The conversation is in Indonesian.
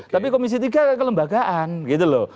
tapi komisi tiga kelembagaan gitu loh